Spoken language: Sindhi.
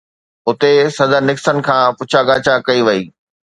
اتي صدر نڪسن کان پڇا ڳاڇا ڪئي وئي.